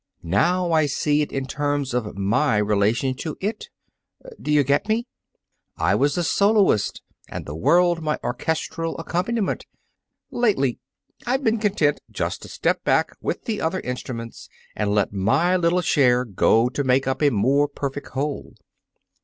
Now I see it in terms of my relation to it. Do you get me? I was the soloist, and the world my orchestral accompaniment. Lately, I've been content just to step back with the other instruments and let my little share go to make up a more perfect whole.